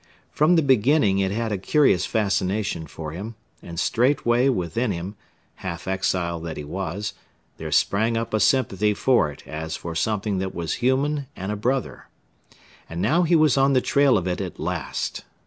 From the beginning it had a curious fascination for him, and straightway within him half exile that he was there sprang up a sympathy for it as for something that was human and a brother. And now he was on the trail of it at last.